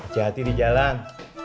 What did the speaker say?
jati di jalan